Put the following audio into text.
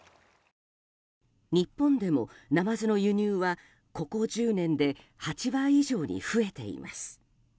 日本でもナマズの輸入は、ここ１０年で８倍以上に増えています。